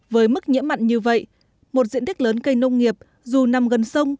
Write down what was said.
với mức nhiễm mặn như vậy một diện tích lớn cây nông nghiệp dù nằm gần sông